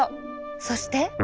そして。